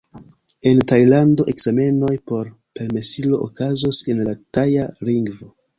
En Tajlando, ekzamenoj por permesilo okazos en la Taja lingvo.